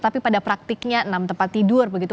tapi pada praktiknya enam tempat tidur begitu